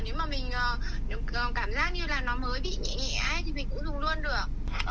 nếu mà mình cảm giác như là nó mới bị nhẹ hết thì mình cũng dùng luôn được